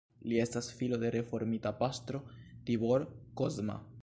Li estas filo de reformita pastro Tibor Kozma.